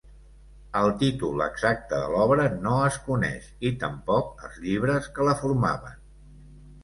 El títol exacte de l'obra no es coneix, i tampoc els llibres que la formaven.